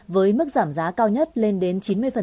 với mức giảm giá cao nhất lên đến chín mươi